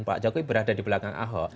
pak jokowi berada di belakang ahok